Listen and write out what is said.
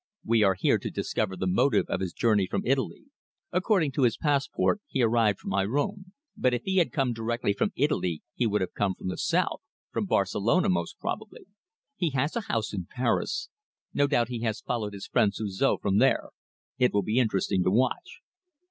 "We are here to discover the motive of his journey from Italy. According to his passport he arrived from Irun. But if he had come direct from Italy he would have come from the south from Barcelona, most probably." "He has a house in Paris. No doubt he has followed his friend Suzor from there. It will be interesting to watch."